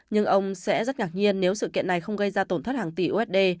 nhưng ông sẽ rất ngạc nhiên nếu sự kiện này không gây ra tổn thất hàng tỷ usd